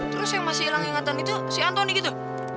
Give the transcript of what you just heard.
terus yang masih hilang ingatan itu si antoni gitu